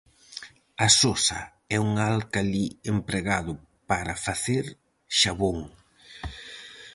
A sosa é un álcali empregado para facer xabón.